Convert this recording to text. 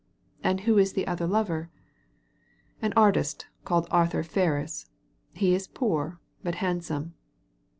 "Who is the other lover ?" "An artist called Arthur Ferris. He is poor, but handsome."